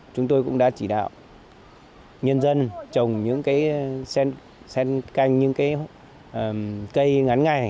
chúng tôi cũng đã chỉ đạo nhân dân trồng những cái sen canh những cái cây ngắn ngay